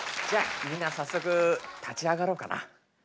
じゃあみんな早速立ち上がろうかな。